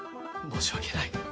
申し訳ない。